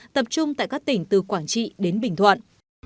tập trung tại các tỉnh từ quảng trị đến bình thuận